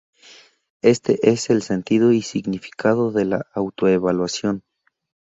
Este es el sentido y significado de la autoevaluación.